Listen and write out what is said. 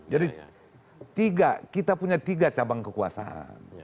jadi kita punya tiga cabang kekuasaan